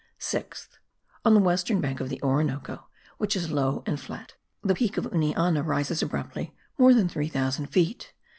Sixth. On the western bank of the Orinoco, which is low and flat, the Peak of Uniana rises abruptly more than 3000 feet high.